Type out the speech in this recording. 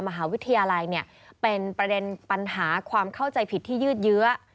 มหาวิทยาลัยเป็นประเด็นปัญหาความเข้าใจผิดที่ยืดเยื้อ